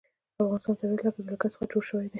د افغانستان طبیعت له جلګه څخه جوړ شوی دی.